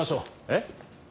えっ？